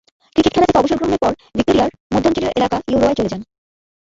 Cricket খেলা থেকে অবসর গ্রহণের পর ভিক্টোরিয়ার মধ্যাঞ্চলীয় এলাকা ইউরোয়ায় চলে যান।